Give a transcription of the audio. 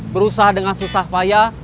berusaha dengan susah payah